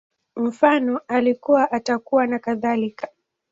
Mfano, Alikuwa, Atakuwa, nakadhalika